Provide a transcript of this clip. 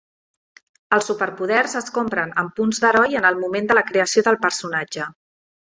Els superpoders es compren amb punts d'heroi en el moment de la creació del personatge.